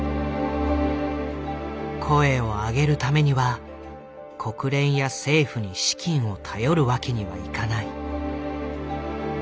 声を上げるためには国連や政府に資金を頼るわけにはいかない。